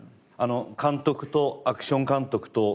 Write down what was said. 監督とアクション監督と脚本家